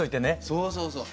そうそうそう。